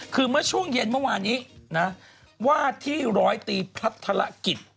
คือเมื่อช่วงเย็นเมื่อวานนี้นะว่าที่ร้อยตีพัทรกิจ